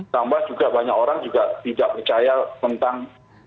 tambah juga banyak orang juga tidak percaya tentang